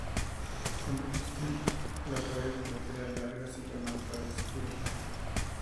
Cuando existen, la pared lateral larga se llama "pared izquierda".